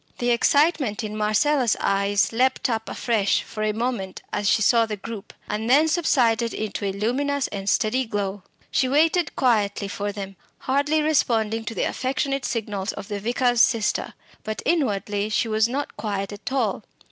The excitement in Marcella's eyes leapt up afresh for a moment as she saw the group, and then subsided into a luminous and steady glow. She waited quietly for them, hardly responding to the affectionate signals of the vicar's sister; but inwardly she was not quiet at all.